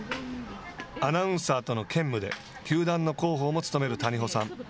アナウンサーとの兼務で球団の広報も務める谷保さん。